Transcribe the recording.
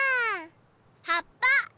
はっぱ！